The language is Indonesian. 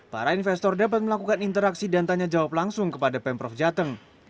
para investor dapat melakukan interaksi dan tanya jawab langsung kepada pemprov jateng